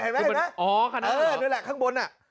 เห็นไหมอ๋อคันนั้นเออนี่แหละข้างบนน่ะ